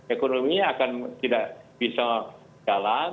ekonominya akan yang bisa jalan